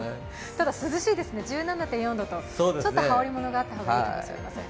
ただ、涼しいですね、１７．４度と、ちょっと羽織り物があった方が良いかもしれません。